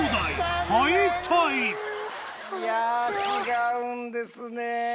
いや違うんですね。